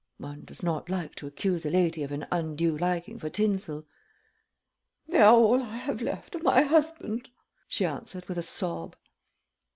One does not like to accuse a lady of an undue liking for tinsel. "They are all I have left of my husband," she answered with a sob.